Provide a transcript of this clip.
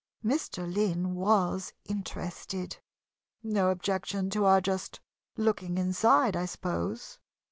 Mr. Lynn was interested. "No objection to our just looking inside, I suppose?"